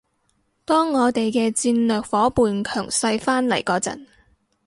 當我哋嘅戰略夥伴強勢返嚟嗰陣